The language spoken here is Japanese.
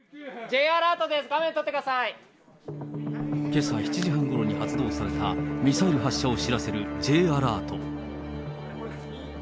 けさ７時半ごろに発令されたミサイル発射を知らせるＪアラート。